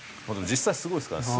実際すごいですからね。